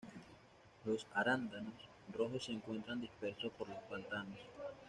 Los arándanos rojos se encuentran dispersos por los pantanos.